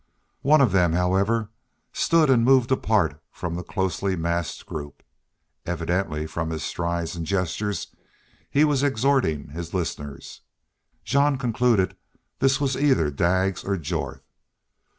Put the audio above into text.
One of them, however, stood and moved apart from the closely massed group. Evidently, from his strides and gestures, he was exhorting his listeners. Jean concluded this was either Daggs or Jorth.